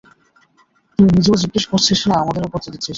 তুই নিজেও জিজ্ঞেস করছিস না আমাদেরও করতে দিচ্ছিস না?